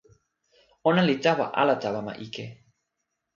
ona li tawa ala tawa ma ike?